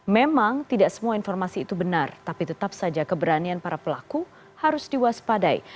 memang tidak semua informasi itu benar tapi tetap saja keberanian para pelaku harus diwaspadai